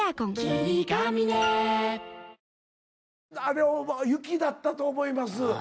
あれ雪だったと思います。